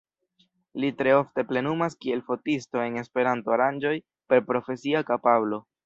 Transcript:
Li tre ofte plenumas kiel fotisto en Esperanto aranĝoj per profesia kapablo.